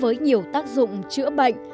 với nhiều tác dụng chữa bệnh